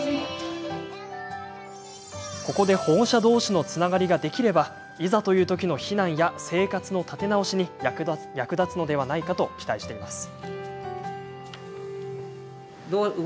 ここで、保護者どうしのつながりができればいざというときの避難や生活の立て直しに役立つのではないかと期待しています。